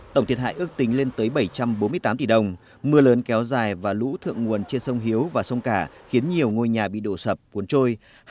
tổng thiệt hại ước tính lên tới bảy trăm bốn mươi tám tỷ đồng mưa lớn kéo dài và lũ thượng nguồn trên sông hiếu và sông cả khiến nhiều ngôi nhà bị đổ sập cuốn trôi